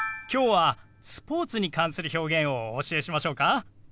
今日はスポーツに関する表現をお教えしましょうか？